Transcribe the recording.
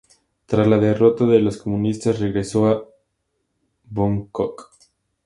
Tras la derrota de los Comunistas, regresó a Bangkok.